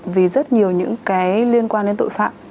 vì rất nhiều những cái liên quan đến tội phạm